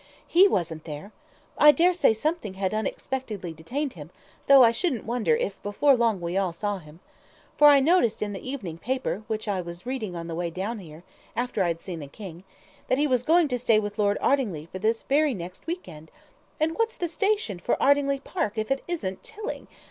"He wasn't there. I daresay something had unexpectedly detained him, though I shouldn't wonder if before long we all saw him. For I noticed in the evening paper which I was reading on the way down here, after I had seen the King, that he was going to stay with Lord Ardingly for this very next week end. And what's the station for Ardingly Park if it isn't Tilling?